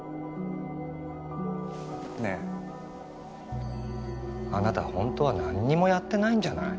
ねえあなたホントは何にもやってないんじゃない？